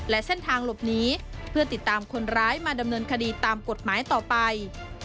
และเส้นทางหลบหนีเพื่อติดตามคนร้ายมาดำเนินคดีตามกฎหมายต่อไป